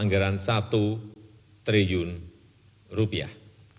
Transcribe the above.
total anggaran rp satu triliun